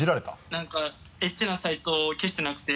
何かエッチなサイトを消してなくて。